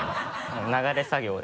流れ作業で。